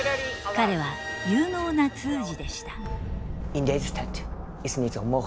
彼は有能な通詞でした。